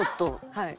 はい。